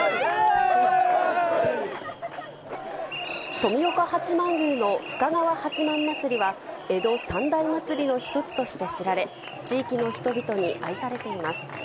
富岡八幡宮の深川八幡祭りは江戸三大祭の一つとして知られ、地域の人々に愛されています。